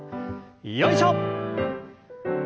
よいしょ！